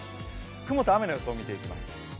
雲と雨の予想を見ていきます。